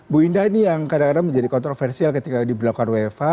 bu indah ini yang kadang kadang menjadi kontroversial ketika diberlakukan wfh